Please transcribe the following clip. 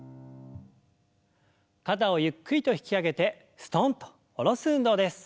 肩をゆっくりと引き上げてすとんと下ろす運動です。